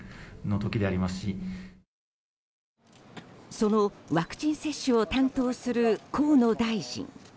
そのワクチン接種を担当する河野大臣。